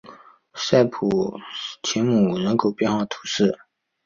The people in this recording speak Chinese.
塞普泰姆人口变化图示